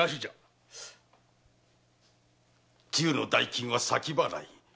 銃の代金は先払い。